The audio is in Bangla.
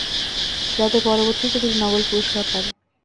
যাতে পরবর্তীতে তিনি নোবেল পুরস্কার পান।